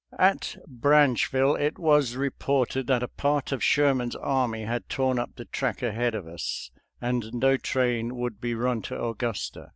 «»■♦•♦ At Branchville it was reported that a part of Sherman's army had torn up the track ahead of us, and no train would be run to Augusta.